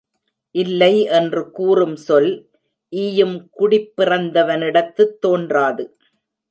இல்லை என்று கூறும் சொல் ஈயும் குடிப்பிறந்த வனிடத்துத் தோன்றாது.